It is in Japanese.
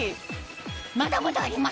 まだまだあります